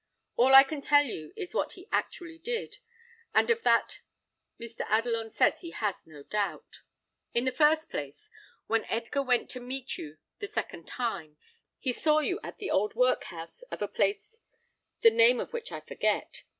"All I can tell you is what he actually did, and of that Mr. Adelon says he has no doubt. In the first place, when Edgar went to meet you the second time, he saw you at the old workhouse of a place the name of which I forget.